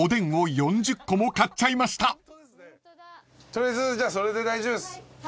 取りあえずじゃあそれで大丈夫です。